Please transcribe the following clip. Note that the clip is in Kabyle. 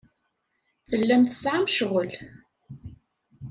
Tellam tesɛam ccɣel.